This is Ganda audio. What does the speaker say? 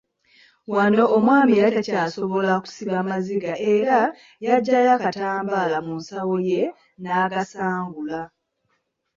Wano omwami yali takyasobola kusiba maziga era yaggyayo akatambaala mu nsawo ye n’agasangula.